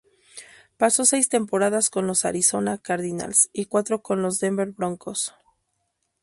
Pasó seis temporadas con los Arizona Cardinals y cuatros con los Denver Broncos.